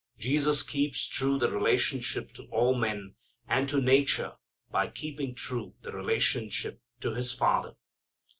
Jesus keeps true the relationship to all men and to nature by keeping true the relationship to His Father.